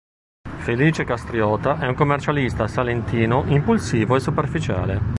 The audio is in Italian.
Felice Castriota è un commercialista salentino impulsivo e superficiale.